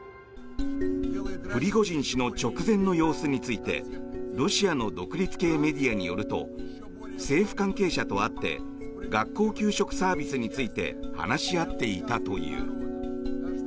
プリゴジン氏の直前の様子についてロシアの独立系メディアによると政府関係者と会って学校給食サービスについて話し合っていたという。